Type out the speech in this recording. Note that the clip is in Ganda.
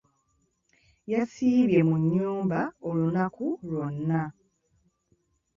Yasiibye mu nnyumba olunaku lwonna.